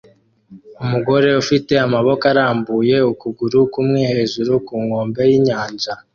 Umugore ufite amaboko arambuye ukuguru kumwe hejuru ku nkombe y'inyanja